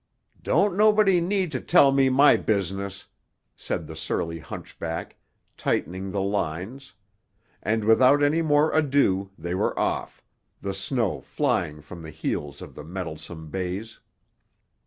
"Don't nobody need to tell me my business," said the surly hunchback, tightening the lines; and without any more ado they were off, the snow flying from the heels of the mettlesome bays.